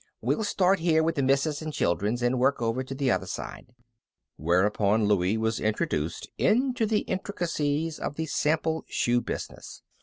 We'll start here with the misses' an' children's, and work over to the other side." Whereupon Louie was introduced into the intricacies of the sample shoe business.